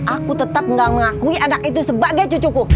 aku tetap gak mengakui anak itu sebagai cucuku